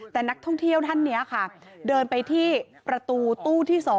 แต่นักท่องเที่ยวท่านนี้ค่ะเดินไปที่ประตูตู้ที่๒